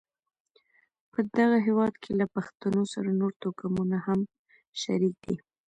په دغه هېواد کې له پښتنو سره نور توکمونه هم شریک دي.